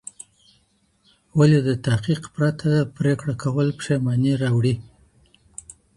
ولي د تحقيق پرته پرېکړه کول پښېماني راوړي؟